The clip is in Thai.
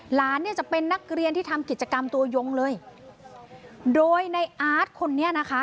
หลานเนี่ยจะเป็นนักเรียนที่ทำกิจกรรมตัวยงเลยโดยในอาร์ตคนนี้นะคะ